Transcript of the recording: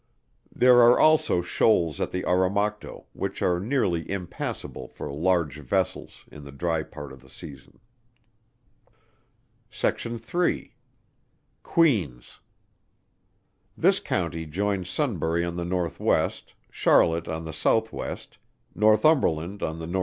There are also shoals at the Oromocto, which are nearly impassable for large vessels in the dry part of the season. SECTION III. QUEEN'S. This County joins Sunbury on the N.W. Charlotte on the S.W. Northumberland on the N.E.